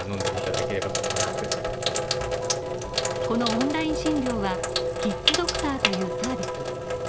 このオンライン診療はキッズドクターというサービス。